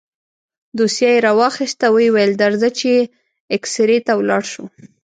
دوسيه يې راواخيسته ويې ويل درځه چې اكسرې ته ولاړ شو.